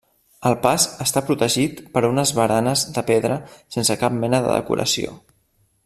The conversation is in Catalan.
El pas està protegit per unes baranes de pedra sense cap mena de decoració.